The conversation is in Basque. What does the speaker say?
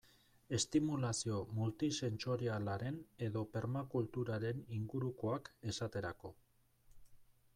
Estimulazio multisentsorialaren edo permakulturaren ingurukoak, esaterako.